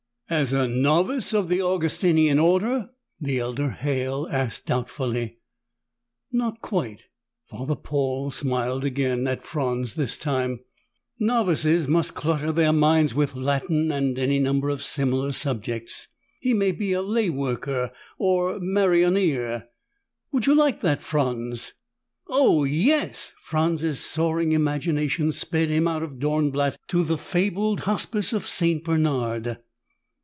"As a novice of the Augustinian Order?" the elder Halle asked doubtfully. "Not quite." Father Paul smiled again, at Franz this time. "Novices must clutter their minds with Latin and any number of similar subjects. He may be a lay worker, or maronnier. Would you like that, Franz?" "Oh, yes!" Franz's soaring imagination sped him out of Dornblatt to the fabled Hospice of St. Bernard.